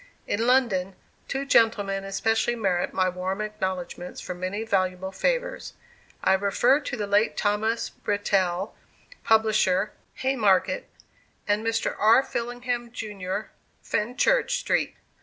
In London, two gentlemen especially merit my warm acknowledgments for many valuable favors. I refer to the late Thomas Brettell, publisher, Haymarket; and Mr. R. Fillingham, Jr., Fenchurch Street.